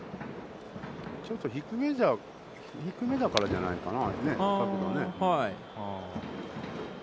ちょっと低めだからじゃないかな。